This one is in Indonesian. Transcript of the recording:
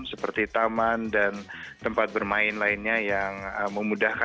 seperti taman dan tempat bermain lainnya yang memudahkan